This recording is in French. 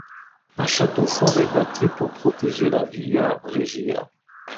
Un château-fort est bâti pour protéger la Via Regia.